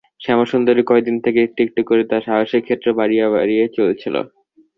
শ্যামাসুন্দরী কয়দিন থেকে একটু একটু করে তার সাহসের ক্ষেত্র বাড়িয়ে বাড়িয়ে চলছিল।